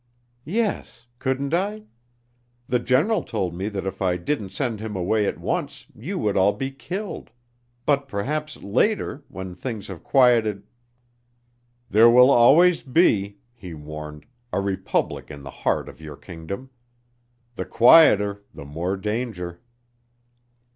"Yes, couldn't I? The General told me that if I didn't send him away at once you would all be killed; but perhaps later when things have quieted " "There will always be," he warned, "a republic in the heart of your kingdom. The quieter the more danger."